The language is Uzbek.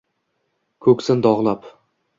Ko’ksin dog’lab